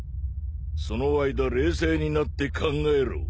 その間冷静になって考えろ。